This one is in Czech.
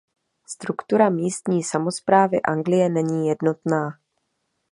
Struktura místní samosprávy Anglie není jednotná.